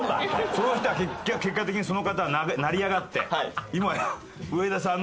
その人は結果的にその方は成り上がって今や。